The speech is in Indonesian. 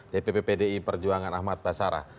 dari pppdi perjuangan ahmad basara